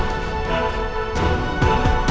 sidaeng itu acara orang dewasa saya